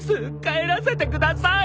帰らせてください！